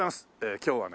今日はね